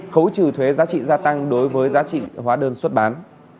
khấu trừ thuế giá trị gia tăng đối với giá trị hóa đơn xuất bán